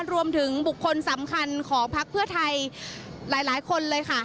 รวมถึงบุคคลสำคัญของพักเพื่อไทยหลายคนเลยค่ะ